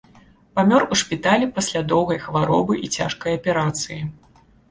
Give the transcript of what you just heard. Памёр у шпіталі пасля доўгай хваробы і цяжкай аперацыі.